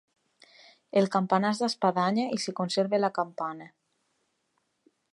El campanar és d'espadanya i s'hi conserva la campana.